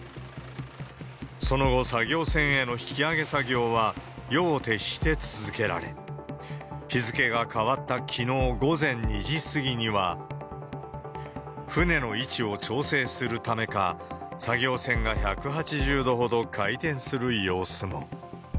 その後、作業船への引き揚げ作業は夜を徹して続けられ、日付が変わったきのう午前２時過ぎには、船の位置を調整するためか、作業船が１８０度ほど回転する様子も。